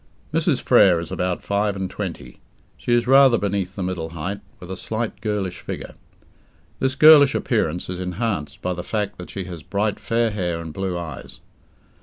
Mrs. Frere is about five and twenty. She is rather beneath the middle height, with a slight, girlish figure. This girlish appearance is enhanced by the fact that she has bright fair hair and blue eyes.